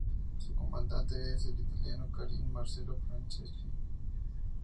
Su comandante es el italiano Karim Marcello Franceschi.